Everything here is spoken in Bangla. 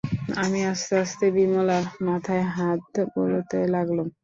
আমি আস্তে আস্তে বিমলার মাথায় হাত বুলোতে লাগলুম।